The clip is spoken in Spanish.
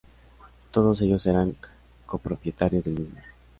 Todos ellos eran copropietarios del mismo.